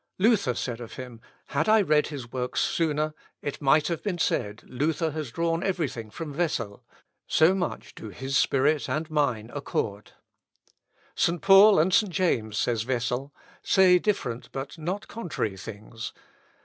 Luther said of him, "Had I read his works sooner, it might have been said, Luther has drawn everything from Wessel; so much do his spirit and mine accord." "St. Paul and St. James," says Wessel, "say different but not contrary things.